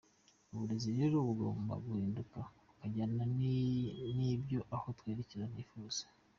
Uburezi rero bugomba guhinduka bukajyana n’ibyo aho twerekeza hifuza.